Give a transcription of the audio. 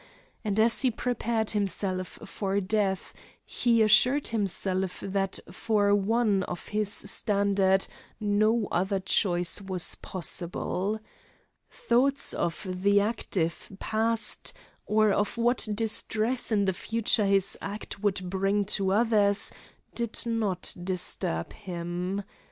And as he prepared himself for death he assured himself that for one of his standard no other choice was possible. Thoughts of the active past, or of what distress in the future his act would bring to others, did not disturb him.